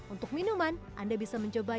untuk minuman anda bisa mencoba